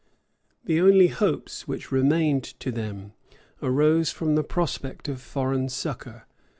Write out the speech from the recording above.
The only hopes which remained to them arose from the prospect of foreign succor.